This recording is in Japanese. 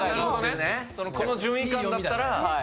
この順位間だったら。